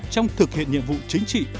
trong thực hiện nhiệm vụ chính trị